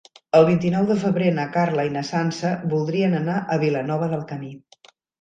El vint-i-nou de febrer na Carla i na Sança voldrien anar a Vilanova del Camí.